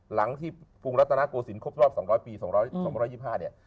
หลังที่ภูมิลัตนโกสินครบรอบ๒๐๐ปี๒๒๕เนี่ย